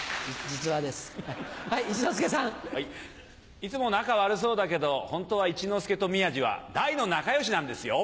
いつも仲悪そうだけどホントは一之輔と宮治は大の仲良しなんですよ。